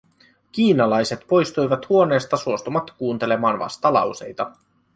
Kiinalaiset poistuivat huoneesta suostumatta kuuntelemaan vastalauseita.